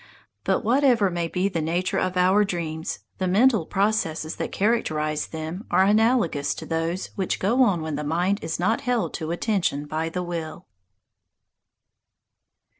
But whatever may be the nature of our dreams, the mental processes that characterize them are analogous to those which go on when the mind is not held to attention by the will.